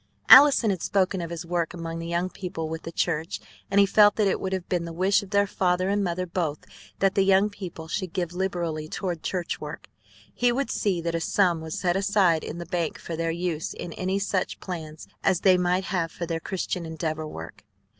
Allison had spoken of his work among the young people of the church, and he felt that it would have been the wish of their father and mother both that the young people should give liberally toward church work. He would see that a sum was set aside in the bank for their use in any such plans as they might have for their Christian Endeavor work.